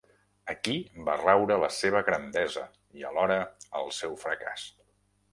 Aquí va raure la seva grandesa i alhora el seu fracàs.